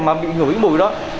mà bị ngửi cái mùi đó